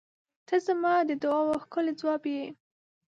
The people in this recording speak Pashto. ته زما د دعاوو ښکلی ځواب یې.